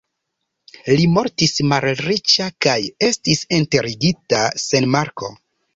Li mortis malriĉa kaj estis enterigita sen marko.